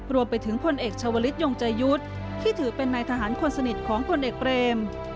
รวมไปถึงพลเอกชาวลิศยงใจยุทธ์ที่ถือเป็นนายทหารคนสนิทของพลเอกเบรม